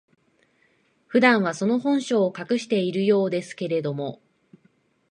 普段は、その本性を隠しているようですけれども、